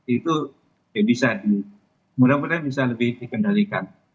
itu bisa di mudah mudahan bisa lebih dikendalikan